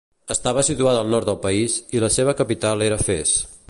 Estava situada al nord del país, i la seva capital era Fes.